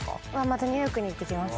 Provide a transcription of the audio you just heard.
またニューヨークに行ってきます。